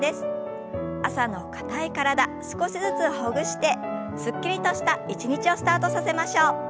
朝の硬い体少しずつほぐしてすっきりとした一日をスタートさせましょう。